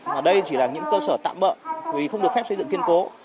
mà đây chỉ là những cơ sở tạm bợ vì không được phép xây dựng kiên cố